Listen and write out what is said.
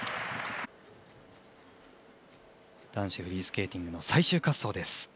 男子フリースケーティングの最終滑走です。